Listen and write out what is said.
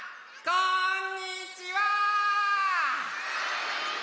こんにちは！